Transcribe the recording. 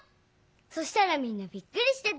そしたらみんなびっくりしてた。